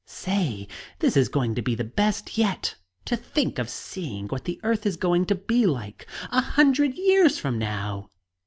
"Say this is going to be the best yet! To think of seeing what the earth is going to be like, a hundred years from now!"